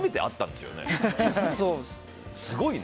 すごいね。